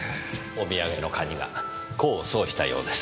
お土産のかにが功を奏したようです。